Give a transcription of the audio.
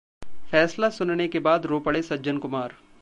फैसला सुनने के बाद रो पड़े सज्जन कुमार